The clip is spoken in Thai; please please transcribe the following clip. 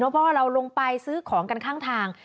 พ่อเราลงไปซื้อของกันข้างทาง